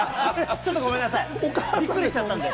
ちょっとごめんなさい、ビックリしちゃったんで。